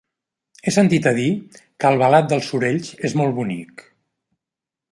He sentit a dir que Albalat dels Sorells és molt bonic.